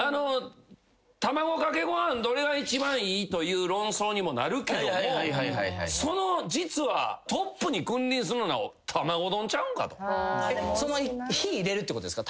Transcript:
「卵かけご飯どれが一番いい？」という論争にもなるけども実はトップに君臨するのは玉子丼ちゃうんかと。火入れるってことですか？